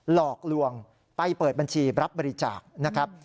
หลอกลวงไปเปิดบัญชีรับบริจาคนะครับ